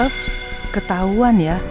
eps ketahuan ya